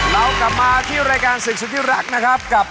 โชคความแม่นแทนนุ่มในศึกที่๒กันแล้วล่ะครับ